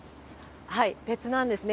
別なんですね。